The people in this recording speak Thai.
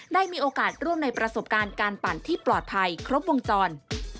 ได้มีโอกาสร่วมในประสบการณ์การปั่นที่ปลอดภัยครบวงจร